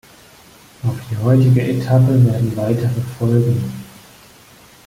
Auf die heutige Etappe werden weitere folgen.